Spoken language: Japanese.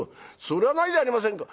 「それはないじゃありませんか。